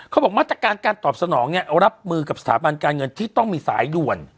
บอกมาตรการการตอบสนองเนี่ยรับมือกับสถาบันการเงินที่ต้องมีสายด่วน